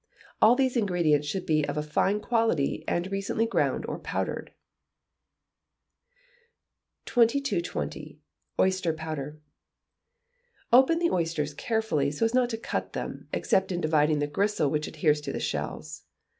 All these ingredients should be of a fine quality, and recently ground or powdered. 2220. Oyster Powder. Open the oysters carefully, so as not to cut them, except in dividing the gristle which adheres to the shells.